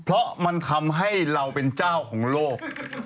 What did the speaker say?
เพราะมันทำให้เราเป็นเจ้าของโลก